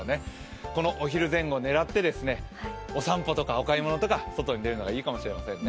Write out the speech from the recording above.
このお昼前後を狙ってお散歩とかお買い物とか外に出るのがいいかもしれませんね。